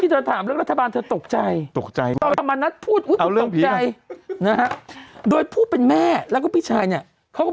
ที่ลากกับพื้นนั้นห่างมันจะห่าง